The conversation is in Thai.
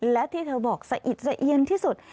และที่เธอบอกสะอิดสะเอียนที่สุด